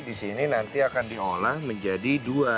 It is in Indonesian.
di sini nanti akan diolah menjadi dua